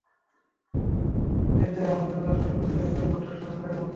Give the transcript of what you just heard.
সে চায় আমরা যেন লাশগুলো খুঁজে বের করি কন্সট্রাকশন সাইটের মতো।